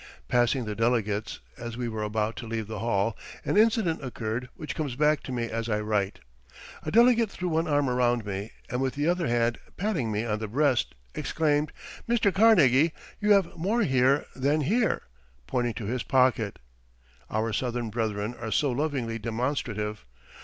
Passing the delegates, as we were about to leave the hall, an incident occurred which comes back to me as I write. A delegate threw one arm around me and with the other hand patting me on the breast, exclaimed: "Mr. Carnegie, you have more here than here" pointing to his pocket. Our Southern brethren are so lovingly demonstrative.